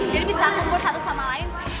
jadi bisa kumpul satu sama lain sih